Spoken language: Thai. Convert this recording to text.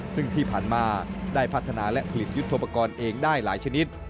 ซึ่งที่ผ่านมาได้พัฒนาและผลิตยุทธโปรกรณ์เองได้หลายชนิด